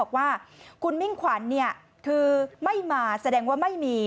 บอกว่าคุณมิ่งขวัญคือไม่มาแสดงว่าไม่มี